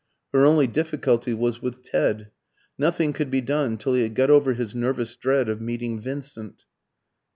Her only difficulty was with Ted. Nothing could be done till he had got over his nervous dread of meeting Vincent.